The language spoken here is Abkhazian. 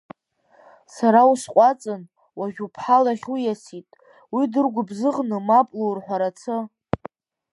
Сара усҟәаҵын, уажәы уԥҳа лахь уиаст, уи дыргәыбзыӷны мап лурҳәарацы.